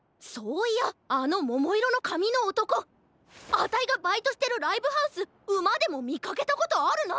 あたいがバイトしてるライブハウスＵＭＡでもみかけたことあるな！